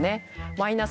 マイナス